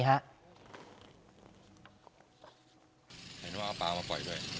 เห็นว่าเอาปลามาปล่อยด้วย